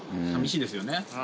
寂しいですよね。